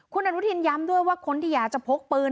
คุณอนุทินย้ำด้วยว่าคนที่อยากจะพกปืน